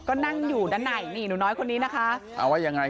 ก็นั่งอยู่ด้านในนี่หนูน้อยคนนี้นะคะเอาว่ายังไง